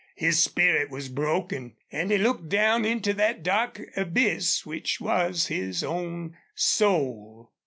His spirit was broken. And he looked down into that dark abyss which was his own soul.